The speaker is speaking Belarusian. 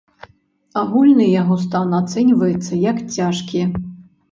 Агульны яго стан ацэньваецца, як цяжкі.